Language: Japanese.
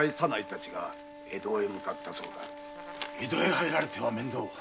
江戸へ入られては面倒。